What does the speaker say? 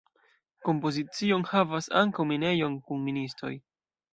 Kompozicio enhavas ankaŭ minejon kun ministoj.